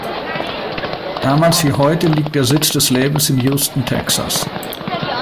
Damals wie heute liegt der Sitz des Labels in Houston, Texas.